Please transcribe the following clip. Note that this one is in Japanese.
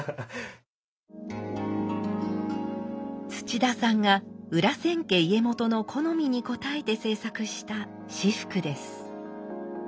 土田さんが裏千家家元の好みに応えて制作した仕覆です。